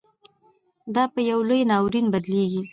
دا پـه يـو لـوى نـاوريـن بـدليږي.